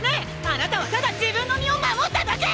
あなたはただ自分の身を守っただけ！！